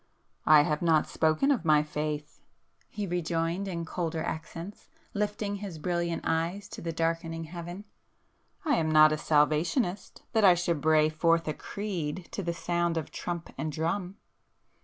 "I have not spoken of my faith,"—he rejoined in colder accents, lifting his brilliant eyes to the darkening heaven—"I am not a Salvationist, that I should bray forth a creed to the sound of trump and drum."